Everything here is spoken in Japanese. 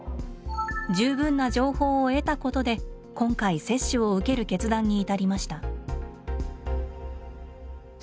十分な情報を得たことで今回接種を受ける決断に至りました。